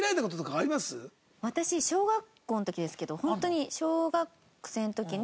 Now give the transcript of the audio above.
私小学校の時ですけどホントに小学生の時に。